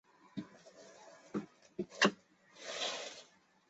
文川市是朝鲜城市。